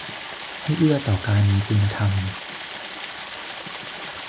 ให้เอื้อต่อการมีคุณธรรม